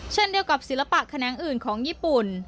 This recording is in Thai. เช่นเดียวกับศิลปะแขนงอื่นของญี่ปุ่น